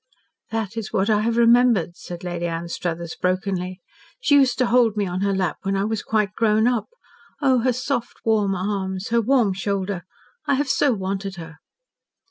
"That is what I have remembered," said Lady Anstruthers brokenly. "She used to hold me on her lap when I was quite grown up. Oh! her soft, warm arms her warm shoulder! I have so wanted her."